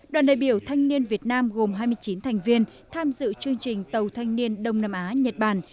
đoàn đại biểu thanh niên việt nam gồm hai mươi chín thành viên tham dự chương trình tàu thanh niên đông nam á nhật bản